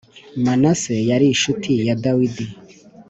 Manase yari incuti ya Dawidi